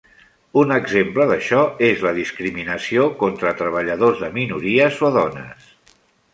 Un exemple d'això és la discriminació contra treballadors de minories o dones.